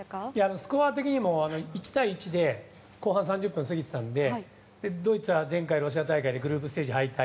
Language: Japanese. スコア的にも１対１で後半３０分を過ぎていたんでドイツは前回、ロシア大会グループステージ敗退。